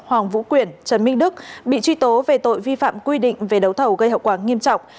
hoàng vũ quyển trần minh đức bị truy tố về tội vi phạm quy định về đấu thầu gây hậu quả nghiêm trọng